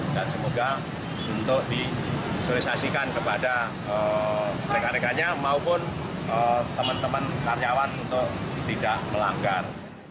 dan semoga untuk disurisasikan kepada rekan rekannya maupun teman teman karyawan untuk tidak melanggar